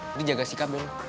jadi jaga sikap dulu